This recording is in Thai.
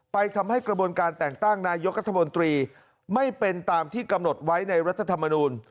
ทำให้กระบวนการแต่งตั้งนายกรัฐมนตรีไม่เป็นตามที่กำหนดไว้ในรัฐธรรมนูล